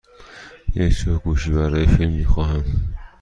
یک جفت گوشی برای فیلم می خواهم.